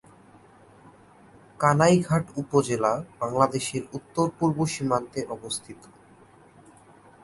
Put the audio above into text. কানাইঘাট উপজেলা বাংলাদেশের উত্তর-পূ্র্ব সীমান্তে অবস্থিত।